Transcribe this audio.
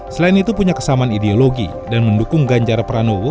selain itu punya kesamaan ideologi dan mendukung ganjar pranowo